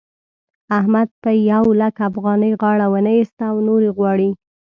احمد په يو لک افغانۍ غاړه و نه اېسته او نورې غواړي.